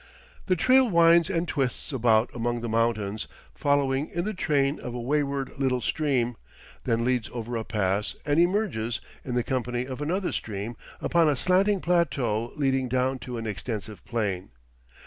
The trail winds and twists about among the mountains, following in the train of a wayward little stream, then leads over a pass and emerges, in the company of another stream, upon a slanting plateau leading down to an extensive plain.